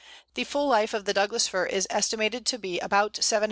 The full life of the Douglas Fir is estimated to be about 750 years.